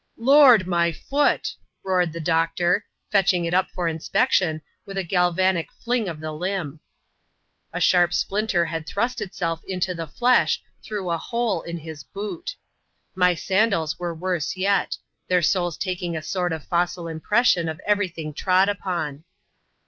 "Lord! my foot!" roared the doctor, fetching it up for inspection, with a galvanic fling of the limb. A sharp splinter had thrust itself into the flesh, through a hole in his boot. ' My sandals were worse yet; their soles taking a sort of fossil impression of every thing trod upon.